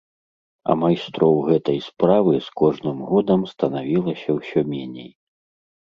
А майстроў гэтай справы з кожным годам станавілася ўсё меней.